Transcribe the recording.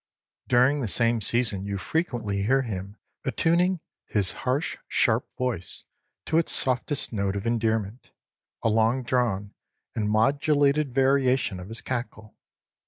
During the same season you frequently hear him attuning his harsh sharp voice to its softest note of endearment, a long drawn and modulated variation of his cackle.